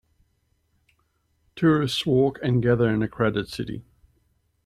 Tourists walk and gather in a crowded city.